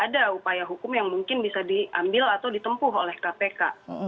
ada upaya hukum yang mungkin bisa diambil atau ditempuh oleh kpk